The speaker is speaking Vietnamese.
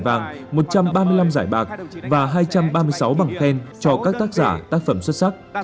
bàn giám khảo đã lựa chọn ra sáu mươi sáu giải vàng một trăm ba mươi năm giải bạc và hai trăm ba mươi sáu bảng khen cho các tác giả tác phẩm xuất sắc